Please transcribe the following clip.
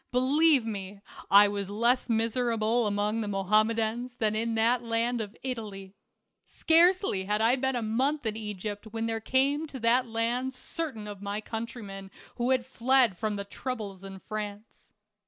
Believe me, I was less miserable among the Mohammedans than in that land of Italy. Scarcely had I been a month in Egypt when there came to that land certain of my country men who had fled from the troubles in France.